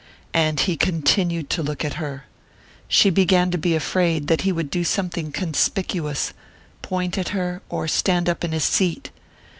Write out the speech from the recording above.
And he continued to look at her. She began to be afraid that he would do something conspicuous point at her, or stand up in his seat.